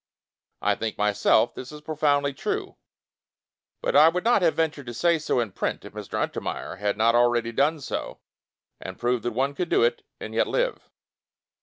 I think, myself, that is pro foundly true; but I would not have ventured to say so in print if Mr. Un termeyer had not already done so and proved that one could do it and yet live.